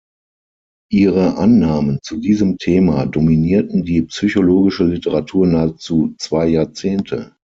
Ihre Annahmen zu diesem Thema dominierten die psychologische Literatur nahezu zwei Jahrzehnte.